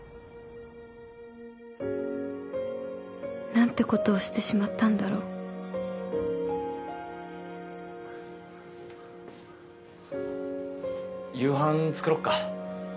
なんてことをしてしまったんだろう夕飯作ろっか。